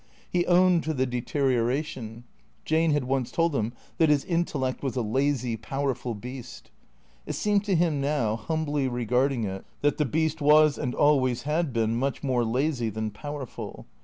He owned to the deterioration. Jane had once told him that his intellect was a " lazy, powerful beast." It seemed to him now, humbly regarding it, that the beast was and always had been much more lazy than powerful.